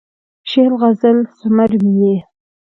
شعر، غزل ثمر مې یې